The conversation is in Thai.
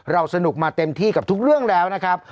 สนุกมาเต็มที่กับทุกเรื่องแล้วนะครับ